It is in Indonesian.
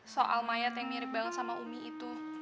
soal mayat yang mirip banget sama umi itu